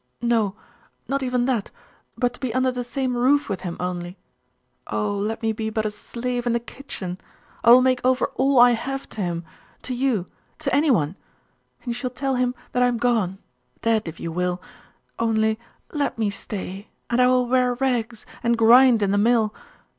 No not even that but to be tinder the same roof with him, only Oh, let me be but a slave in the kitchen! I will make over all I have to him to you to any one! And you shall tell him that I am gone dead, if you will. Only let me stay! And I will wear rags, and grind in the mill....